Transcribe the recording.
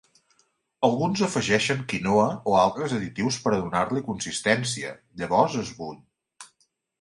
Alguns afegeixen quinoa o altres additius per a donar-li consistència, llavors es bull.